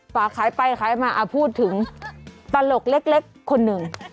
ฝากขายไปขายมาพูดถึงตลกเล็กคนหนึ่ง